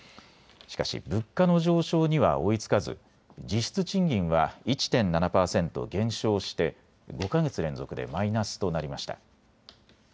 しかし物価の上昇には追いつかず実質賃金は１．７％減少して５か月連続でマイナスとなりました。